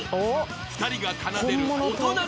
［２人が奏でる大人の世界］